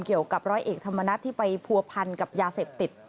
เกี่ยวกับร้อยเอกธรรมนัฐที่ไปผัวพันกับยาเสพติด